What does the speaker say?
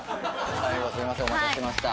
最後すみませんお待たせしました。